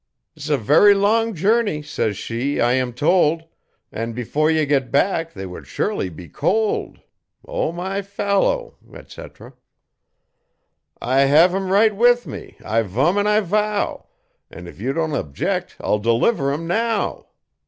''S a very long journey,' says she, 'I am told, An' before ye got back, they would surely be cold.' O, my fallow, etc. 'I hev 'em right with me, I vum an' I vow, An' if you don't object I'll deliver 'em now.'